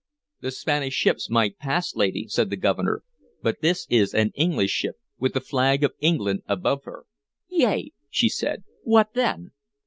"The Spanish ships might pass, lady," said the Governor; "but this is an English ship, with the flag of England above her." "Yea," she said. "What then?"